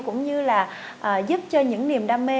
cũng như là giúp cho những niềm đam mê